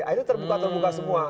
akhirnya terbuka terbuka semua